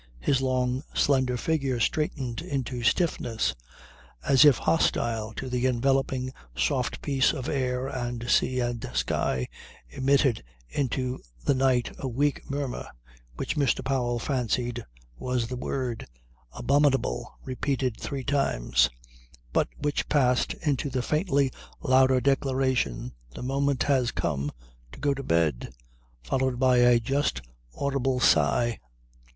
His long, slender figure straightened into stiffness, as if hostile to the enveloping soft peace of air and sea and sky, emitted into the night a weak murmur which Mr. Powell fancied was the word, "Abominable" repeated three times, but which passed into the faintly louder declaration: "The moment has come to go to bed," followed by a just audible sigh.